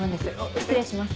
失礼します。